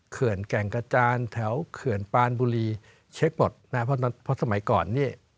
เขื่อนแก่งกระจานแถวเขื่อนปานบุรีเช็คหมดนะเพราะนั้นเพราะสมัยก่อนเนี้ย